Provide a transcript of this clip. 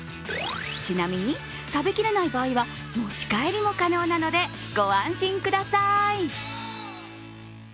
ちなみに、食べきれない場合は持ち帰りも可能なので御安心ください。